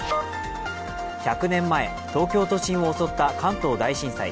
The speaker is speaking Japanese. １００年前、東京都心を襲った関東大震災。